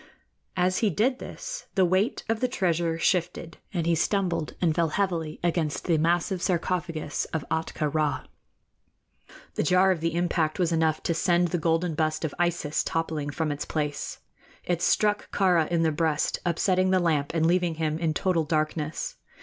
As he did this, the weight of the treasure shifted, and he stumbled and fell heavily against the massive sarcophagus of Ahtka Rā. The jar of the impact was enough to send the golden bust of Isis toppling from its place. It struck Kāra in the breast, upsetting the lamp and leaving him in total darkness.